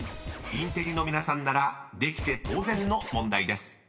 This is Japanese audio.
インテリの皆さんならできて当然の問題です］